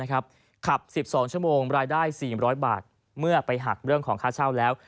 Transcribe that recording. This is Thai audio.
ขับ๑๒ชั่วโมงรายได้๔๐๐บาทเมื่อไปหักเรื่องของค่าเช่าแล้ว